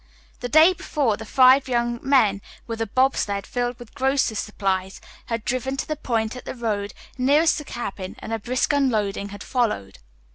The day before, the five young men, with a bobsled filled with grocers' supplies, had driven to the point of the road nearest the cabin and a brisk unloading had followed.